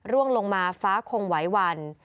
ร่วงลงมาฟ้าคงไหววัน